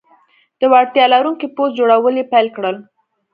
د وړتیا لرونکي پوځ جوړول یې پیل کړل.